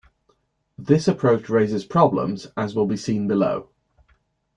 This approach raises problems as will be seen below.